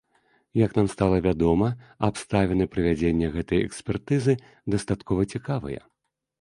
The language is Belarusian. Як нам стала вядома, абставіны правядзення гэтай экспертызы дастаткова цікавыя.